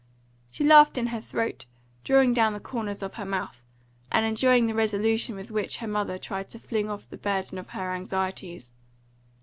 She laughed in her throat, drawing down the corners of her mouth, and enjoying the resolution with which her mother tried to fling off the burden of her anxieties.